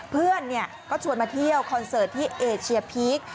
เพื่อนก็ชวนมาเที่ยวคอนเสิร์ตที่เอเชียพีค